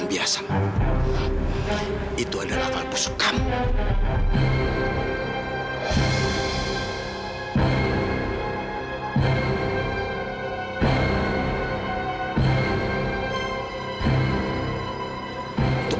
mas apa tidak cukup